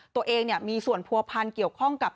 ตัวเองมีส่วนผัวพันธ์เกี่ยวข้องกับ